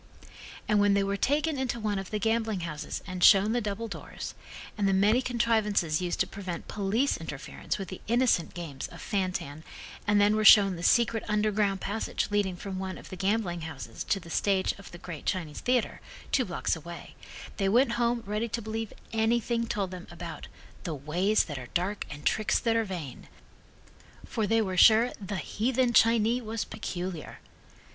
And when they were taken into one of the gambling houses and shown the double doors, and the many contrivances used to prevent police interference with the innocent games of fan tan and then were shown the secret underground passage leading from one of the gambling houses to the stage of the great Chinese theatre, two blocks away, they went home ready to believe anything told them about "the ways that are dark and tricks that are vain," for they were sure "the heathen Chinee was peculiar."